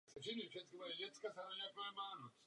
První polovina střetu se vedla především na území Koreje.